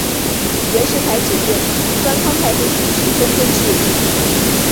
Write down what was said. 袁世凯指定端康太妃主持宫中事务。